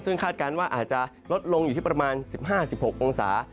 ซึ่งคาดการณ์ว่าอาจจะลดลงอยู่ที่ประมาณ๑๕๑๖องศา